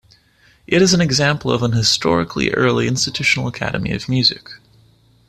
It is an example of an historically early institutional academy of music.